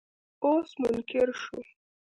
اوس منکر شو.